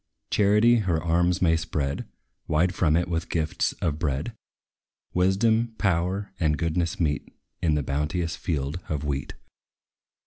Charity her arms may spread Wide from it, with gifts of bread. Wisdom, power, and goodness meet In the bounteous field of wheat.